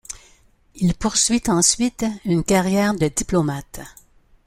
Il poursuit ensuite une carrière de diplomate.